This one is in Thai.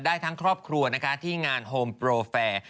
ได้ทั้งครอบครัวนะคะที่งานโฮมโปรแฟร์